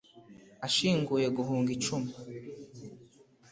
Ashinguye guhunga icumu